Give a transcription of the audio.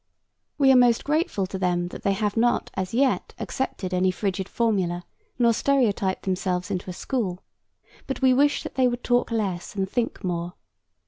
We are most grateful to them that they have not as yet accepted any frigid formula, nor stereotyped themselves into a school, but we wish that they would talk less and think more.